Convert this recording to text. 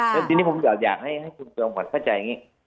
แล้วทีนี้ผมอยากให้คุณจอมขวัญเข้าใจอย่างนี้